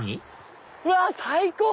うわ最高！